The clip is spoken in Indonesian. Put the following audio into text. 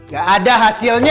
gak ada hasilnya